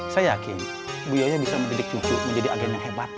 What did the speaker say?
saya yakin bu yoya bisa mendidik cucu menjadi agen yang hebat